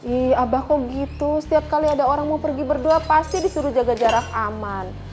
iya abah kok gitu setiap kali ada orang mau pergi berdua pasti disuruh jaga jarak aman